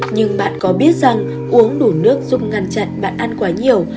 nhưng bạn có biết rằng uống đủ nước giúp ngăn chặn bạn ăn quá nhiều